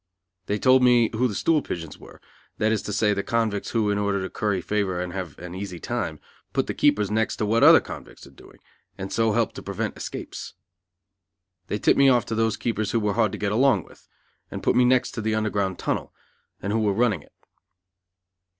They told me who the stool pigeons were, that is to say, the convicts who, in order to curry favor and have an easy time, put the keepers next to what other convicts are doing, and so help to prevent escapes. They tipped me off to those keepers who were hard to get along with, and put me next to the Underground Tunnel, and who were running it.